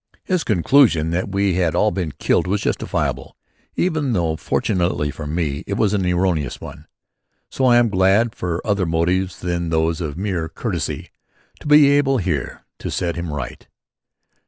His conclusion that we had all been killed was justifiable even though, fortunately for me, it was an erroneous one. So I am glad for other motives than those of mere courtesy to be able here to set him right.